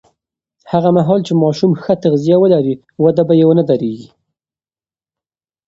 هغه مهال چې ماشوم ښه تغذیه ولري، وده به یې ونه درېږي.